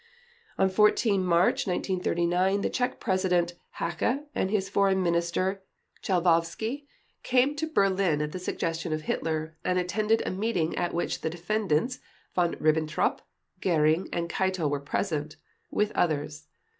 On 14 March 1939 the Czech President Hacha and his Foreign Minister Chvalkovsky came to Berlin at the suggestion of Hitler, and attended a meeting at which the Defendants Von Ribbentrop, Göring, and Keitel were present, with others.